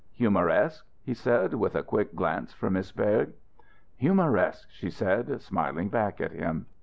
"'Humoresque'?" he said, with a quick glance for Miss Berg. "'Humoresque,'" she said, smiling back at him.